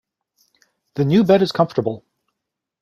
The new bed is comfortable.